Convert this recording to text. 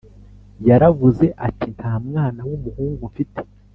yaravuze ati Nta mwana w umuhungu mfite